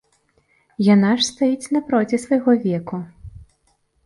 Яна ж стаіць напроці свайго веку.